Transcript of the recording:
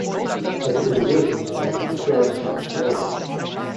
As it was a working day, the crowd was much smaller.